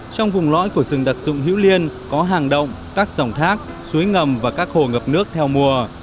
trong vùng lõi của rừng đặc dụng hữu liên có hàng động các dòng thác suối ngầm và các hồ ngập nước theo mùa